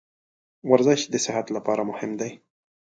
ورزش د صحت لپاره مهم دی.